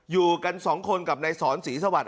อยู่กันสองคนกับนายสอนศรีสวัสด